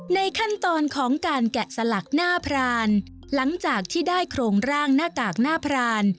ในขั้นตอนของการแกะสลักหน้าพรานหลังจากที่ได้โครงร่างหน้ากากหน้าพราน